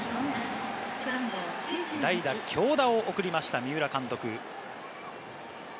代打・京田を送りました、三浦監督。